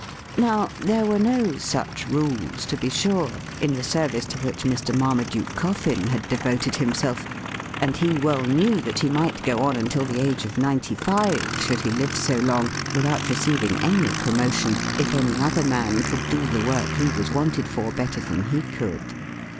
Now, there were no such rules, to be sure, in the service to which Mr. Marmaduke Coffin had devoted himself, and he well knew that he might go on imtil the age of ninety five, should he live so long, 'WHY SUMMON HIM?* 241 without receiving any promotion, if any other man could do the work he was wanted for better than he could.